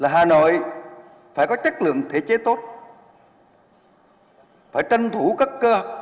hà nội phải có chất lượng thể chế tốt phải tranh thủ các cơ hội chế độc